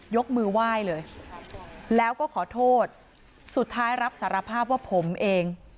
ยกมือไหว้เลยแล้วก็ขอโทษสุดท้ายรับสารภาพว่าผมเอง